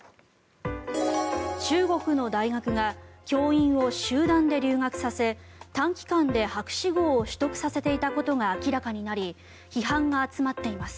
中国の大学が教員を集団で留学させ短期間で博士号を取得させていたことが明らかになり批判が集まっています。